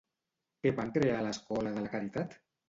Què van crear a l'escola de la Caritat?